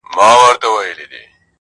همدا نوم غوره سوی دی.